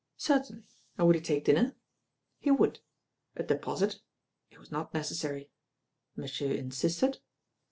Certainly, and would he take dinner? He would. A deposit? It was not necessary. Monsieur insisted?